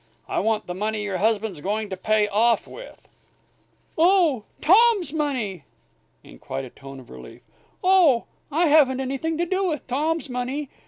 I want the money your husband's going to pay off with " "Oh, Tom's money!" in quite a tone of relief. "Oh! I haven't anything to do with Tom's money.